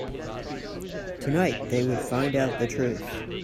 Tonight, they would find out the truth.